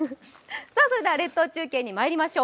それでは列島中継にまいりましょう。